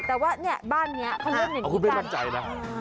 แต่ว่าเนี่ยบ้านนี้เค้าเล่นเหมือนคือกัน